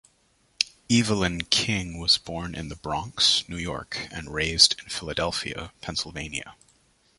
Evelyn King was born in The Bronx, New York, and raised in Philadelphia, Pennsylvania.